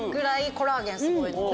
コラーゲンすごいので。